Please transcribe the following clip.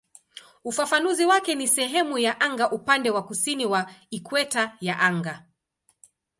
Ufafanuzi wake ni "sehemu ya anga upande wa kusini wa ikweta ya anga".